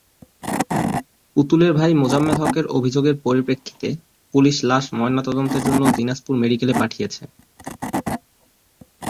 পুতুলের ভাই মোজাম্মেল হকের অভিযোগের পরিপ্রেক্ষিতে পুলিশ লাশ ময়নাতদন্তের জন্য দিনাজপুর মেডিকেলে পাঠিয়েছে।